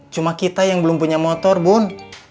cuma kita yang belum punya motor bun